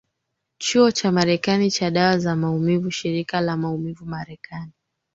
Chuo cha Marekani cha Dawa za Maumivu Shirika la Maumivu Marekani